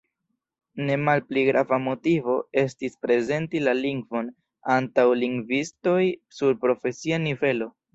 Ne malpli grava motivo estis prezenti la lingvon antaŭ lingvistoj sur profesia nivelo.